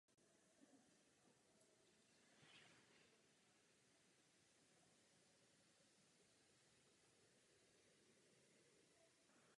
Turnaje se tak naposled mohlo zúčastnit Západní i Východní Německo.